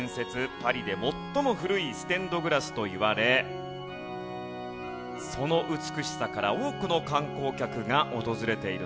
パリで最も古いステンドグラスといわれその美しさから多くの観光客が訪れているんですね。